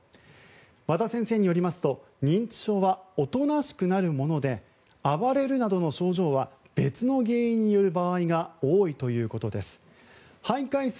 和田先生によりますと認知症はおとなしくなるもので暴れるなどの症状は別の原因による場合が多いということです。